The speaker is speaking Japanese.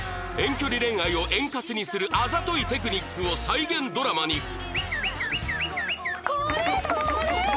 遠距離恋愛を円滑にするあざといテクニックを再現ドラマに